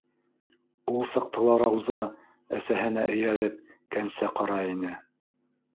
Ул саҡта ла Рауза, әсәһенә эйәреп, кәнсә ҡарай ине.